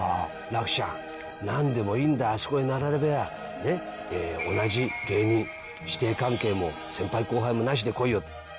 楽ちゃん、なんでもいいんだ、あそこに並べりゃぁ、ね、同じ芸人、師弟関係も先輩後輩もなしでこいよ。